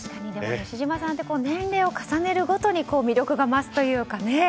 西島さんって確かに年齢を重ねるごとに魅力が増すというかね。